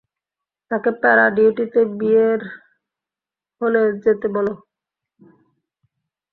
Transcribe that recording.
তাকে প্যারা-ডিউটিতে বিয়ের হলে যেতে বলো।